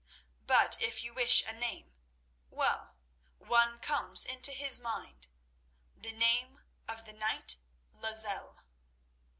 But if you wish a name, well, one comes into his mind; the name of the knight Lozelle."